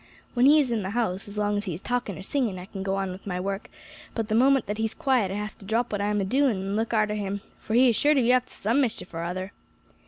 When he is in the house, as long as he is talking or singing I can go on with my work, but the moment that he is quiet I have to drop what I am a doing on and look arter him, for he is sure to be up to some mischief or other."